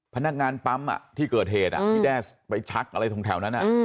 พนักงานปั๊มที่เกิดเหตุที่แด้ไปชักอะไรตรงแถวนั้น